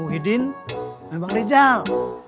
lu pamu hidin memang rijal